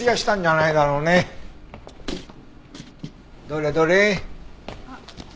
どれどれ？